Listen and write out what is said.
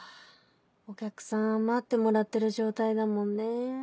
お客さん待ってもらってる状態だもんね。